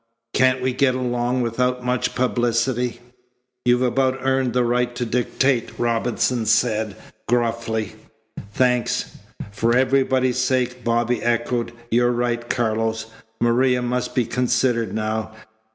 Can't we get along without much publicity?" "You've about earned the right to dictate," Robinson said gruffly. "Thanks." "For everybody's sake!" Bobby echoed. "You're right, Carlos. Maria must be considered now.